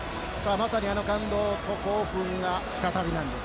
まさにあの感動と興奮が再びなんです。